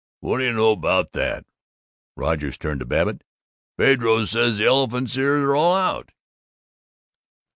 What do you know about that!" Rogers turned to Babbitt. "Pedro says the elephants' ears are all out!"